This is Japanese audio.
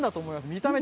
見た目？